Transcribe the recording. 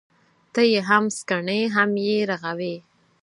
ته يې هم سکڼې ، هم يې رغوې.